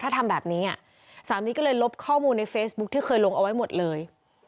ถ้าทำแบบนี้สามีก็เลยลบข้อมูลในเฟซบุ๊คที่เคยลงเอาไว้หมดเลย